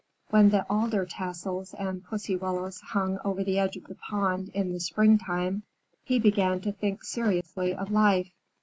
When the alder tassels and pussy willows hung over the edge of the pond in the spring time, he began to think seriously of life.